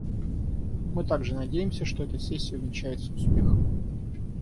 Мы также надеемся, что эта сессия увенчается успехом.